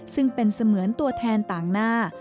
ซึ่งเป็นเสมือนตัวแทนต่างหน้า